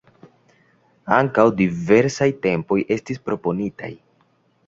Ankaŭ diversaj tempoj estis proponitaj.